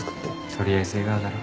とりあえず笑顔だろ。